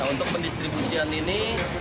untuk pendistribusian ini